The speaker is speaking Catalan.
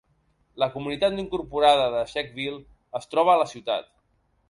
La comunitat no incorporada de Czechville es troba a la ciutat.